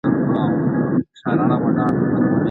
طبي څیړنې چيري ترسره کیږي؟